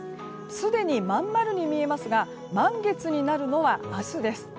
すでに真ん丸に見えますが満月になるのは明日です。